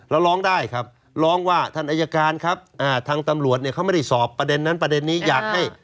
ร้องได้ครับร้องว่าท่านอายการครับทางตำรวจเนี่ยเขาไม่ได้สอบประเด็นนั้นประเด็นนี้อยากให้